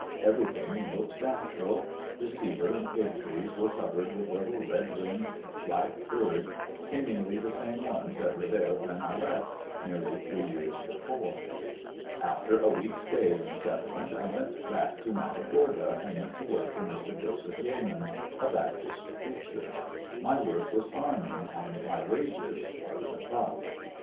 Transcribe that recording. Everything looked natural; the cedar and fig trees were covered with little red winged black birds, seemingly the same ones that were there when I left, nearly three years before. After a week's stay in the Settlement, I went back to Matagorda and went to work for Mr. Joseph Yeamans, a Baptist preacher. My work was farming and my wages part of the crop.